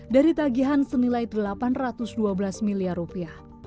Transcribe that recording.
dari tagihan senilai delapan ratus dua belas miliar rupiah